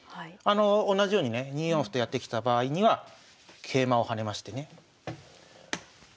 同じようにね２四歩とやってきた場合には桂馬を跳ねましてね。